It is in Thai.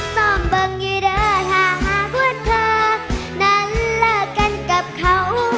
ส้อมเบิ้งอยู่เดินห่ากว่าเธอนั้นเลิกกันกับเขา